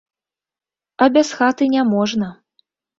А без хаты няможна.